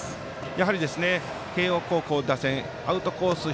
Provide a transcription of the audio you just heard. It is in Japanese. やはり慶応高校打線アウトコース